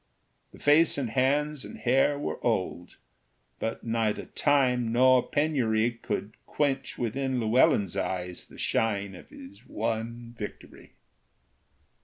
The face and hands and hair were old, But neither time nor penury Could quench within Llewellyn's eyes The shine of his one victory.